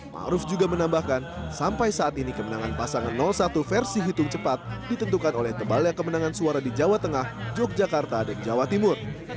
⁇ maruf ⁇ juga menambahkan sampai saat ini kemenangan pasangan satu versi hitung cepat ditentukan oleh tebalnya kemenangan suara di jawa tengah yogyakarta dan jawa timur